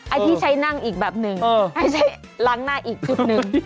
ไอ้ที่ใช้นั่งอีกแบบหนึ่งให้ใช้ล้างหน้าอีกชุดหนึ่ง